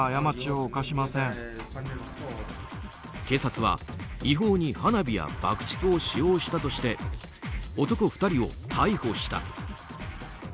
警察は違法に花火や爆竹を使用したとして男２人を逮捕した。